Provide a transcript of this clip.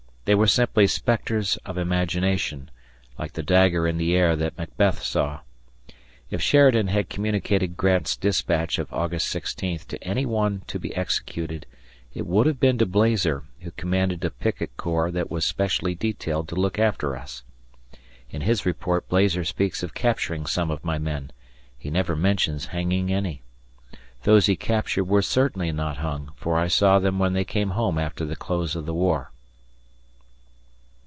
They were simply spectres of imagination, like the dagger in the air that Macbeth saw. If Sheridan had communicated Grant's dispatch of August 16th to any one to be executed, it would have been to Blazer, who commanded a picket corps that was specially detailed to look after us. In his report Blazer speaks of capturing some of my men; he never mentions hanging any. Those he captured were certainly not hung, for I saw them when they came home after the close of the war.